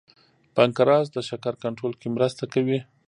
پنکراس د شکر کنټرول کې مرسته کوي